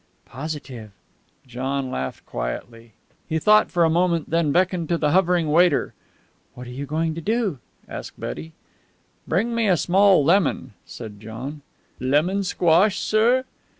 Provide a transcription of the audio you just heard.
"Positive." John laughed quietly. He thought for a moment, then beckoned to the hovering waiter. "What are you going to do?" asked Betty. "Bring me a small lemon," said John. "Lemon squash, sir?"